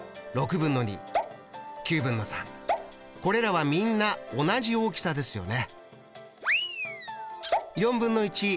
これらはみんな同じ大きさですよね。